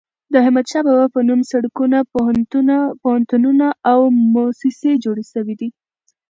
د احمد شاه بابا په نوم سړکونه، پوهنتونونه او موسسې جوړي سوي دي.